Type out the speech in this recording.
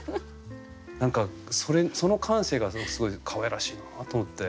何かその感性がすごいかわいらしいなと思って。